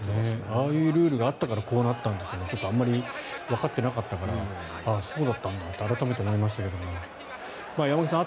ああいうルールがあったからこうなったんだというのは覚えていなかったからああ、そうだったんだって改めて思いましたけど山口さん